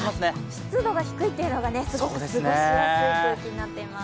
湿度が低いというのが本当に過ごしやすい天気になっています。